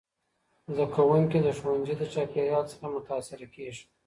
زدهکوونکي د ښوونځي د چاپېریال څخه متاثره کيږي.